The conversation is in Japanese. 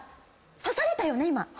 「刺されたよね